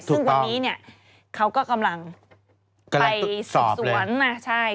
ซึ่งวันนี้เขาก็กำลังไปสอบสวน